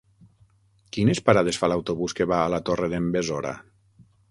Quines parades fa l'autobús que va a la Torre d'en Besora?